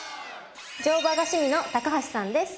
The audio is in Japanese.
乗馬が趣味の高橋さんです。